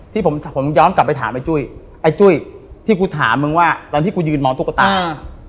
ที่ผมผมย้อนกลับไปถามไอ้จุ้ยไอ้จุ้ยที่กูถามมึงว่าตอนที่กูยืนมองตุ๊กตาอ่า